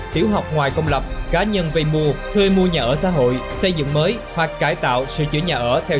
tiểu học ngoài công lập cá nhân về mua thuê mua nhà ở xã hội xây dựng mới hoặc cải tạo sửa chữa nhà ở